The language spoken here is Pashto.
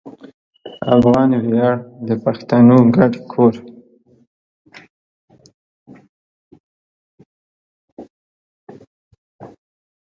افغان ویاړ د پښتنو ګډ کور